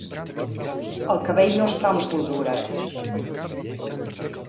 El cabell no està empolvorat.